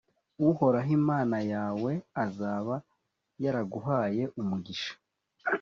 uhoraho imana yawe azaba yaraguhaye umugisha;